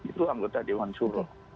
itu anggota dewan suruh